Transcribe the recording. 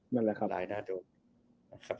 นั่นแหละครับ